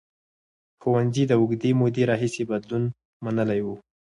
ښوونځي د اوږدې مودې راهیسې بدلون منلی و.